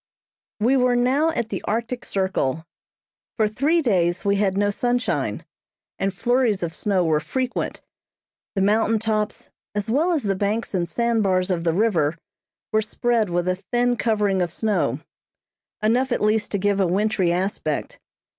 We were now at the Arctic Circle. For three days we had no sunshine, and flurries of snow were frequent. The mountain tops, as well as the banks and sand bars of the river, were spread with a thin covering of snow; enough at least to give a wintry aspect.